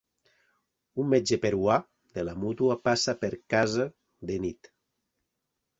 Un metge peruà de la mútua passa per casa de nit.